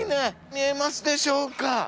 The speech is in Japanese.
見えますでしょうか？